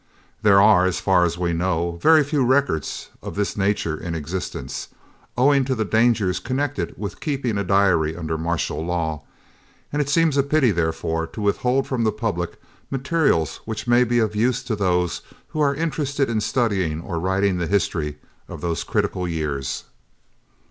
There are, as far as we know, very few records of this nature in existence, owing to the dangers connected with keeping a diary under martial law, and it seemed a pity, therefore, to withhold from the public materials which may be of use to those who are interested in studying or writing the history of those critical years.